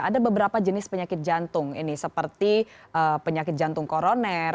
ada beberapa jenis penyakit jantung ini seperti penyakit jantung koroner